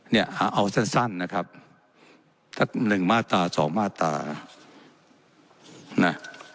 เอาสั้นนะครับ๑มาตรา๒มาตรา